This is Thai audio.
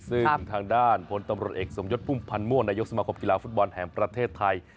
ซึ่งทางด้านพลตำรวจเอกสมยศพุ่มพันธ์ม่วงนายกสมาคมกีฬาฟุตบอลแห่งประเทศไทย